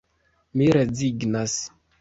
Mi rezignas.